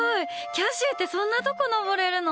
キャシーってそんなところ登れるの？